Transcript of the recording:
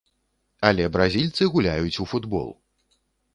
Але бразільцы гуляюць у футбол.